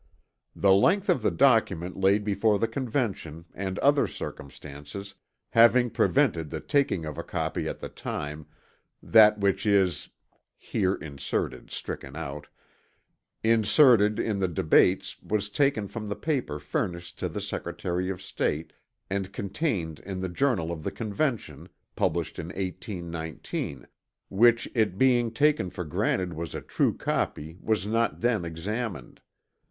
"The length of the Document laid before the Convention, and other circumstances, having prevented the taking of a copy at the time, that which is ["here inserted" stricken out] inserted in the Debates was taken from the paper furnished to the Secretary of State, and contained in the Journal of the Convention, published in 1819 which it being taken for granted was a true copy was not then examined.